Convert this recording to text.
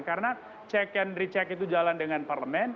karena check and recheck itu jalan dengan parlemen